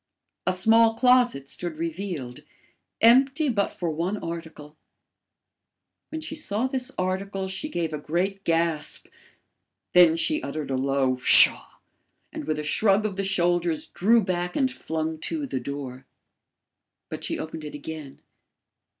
A small closet stood revealed, empty but for one article. When she saw this article she gave a great gasp; then she uttered a low PSHAW! and with a shrug of the shoulders drew back and flung to the door. But she opened it again.